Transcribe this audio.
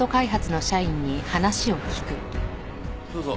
どうぞ。